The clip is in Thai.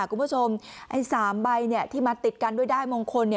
คุณผู้ชมไอ้๓ใบที่มัดติดกันด้วยได้มงคล